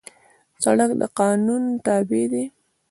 سړک د قانون تابع دی.